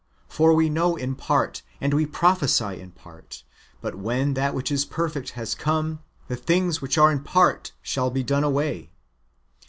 For we know in part, and we prophesy in part; but when that which is perfect has come, the things which are in part shall be done away."